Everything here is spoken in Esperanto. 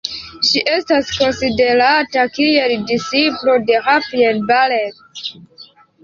Ŝi estas konsiderata kiel disĉiplo de Rafael Barrett.